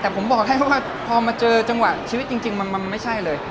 แต่ผมบอกให้เขาว่าพอมาเจอจังหวะชีวิตจริงมันไม่ใช่เลย